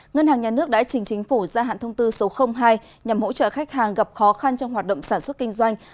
ngân hàng nhà nước đã trình chính phủ gia hạn thông tư số hai nhằm hỗ trợ khách hàng gặp khó khăn trong hoạt động sản xuất kinh doanh